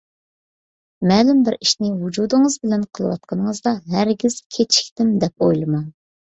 مەلۇم بىر ئىشنى ۋۇجۇدىڭىز بىلەن قىلىۋاتقىنىڭىزدا، ھەرگىز كېچىكتىم دەپ ئويلىماڭ.